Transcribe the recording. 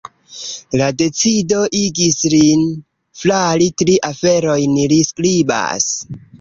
La decido igis lin flari tri aferojn, li skribas.